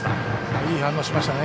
いい反応しましたね。